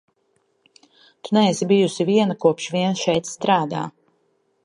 Tu neesi bijusi viena, kopš vien šeit strādā.